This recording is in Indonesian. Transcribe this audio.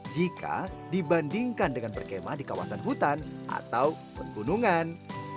jika dibandingkan dengan perkemah di kawasan hutan atau penggunungan